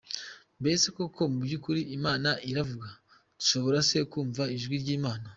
Mbese koko mu byukuri Imana iravuga? dushobora se kumva ijwi ry'Imana?.